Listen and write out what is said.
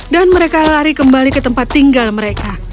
dan mereka lari kembali ke tempat tinggal mereka